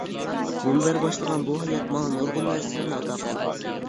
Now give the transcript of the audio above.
مۇنبەر باشلىغان بۇ ھايات ماڭا نۇرغۇن نەرسىلەرنى ئاتا قىلدى.